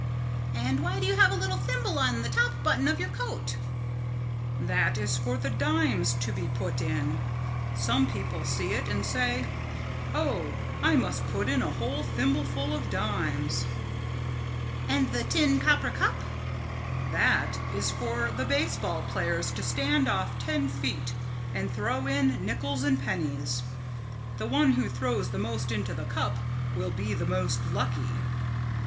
"And why do you have a little thimble on the top button of your coat?" "That is for the dimes to be put in. Some people see it and say, 'Oh, I must put in a whole thimbleful of dimes.'" "And the tin copper cup?" "That is for the base ball players to stand off ten feet and throw in nickels and pennies. The one who throws the most into the cup will be the most lucky."